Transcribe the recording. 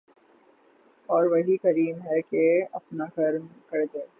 او ر وہی کریم ہے کہ اپنا کرم کردے ۔